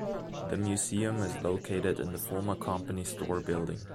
The museum is located in the former company store building.